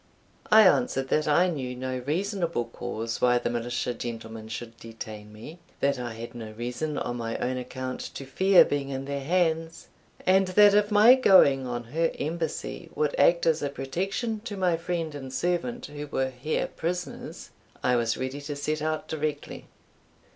I answered that I knew no reasonable cause why the militia gentlemen should detain me; that I had no reason, on my own account, to fear being in their hands; and that if my going on her embassy would act as a protection to my friend and servant, who were here prisoners, "I was ready to set out directly."